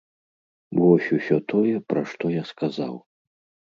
Вось усё тое, пра што я сказаў.